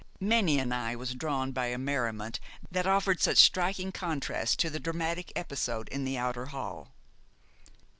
Many an eye was drawn by a merriment that offered such striking contrast to the dramatic episode in the outer hall.